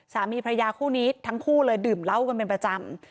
สามีพระยาคู่นี้ทั้งคู่เลยดื่มเหล้ากันเป็นประจำ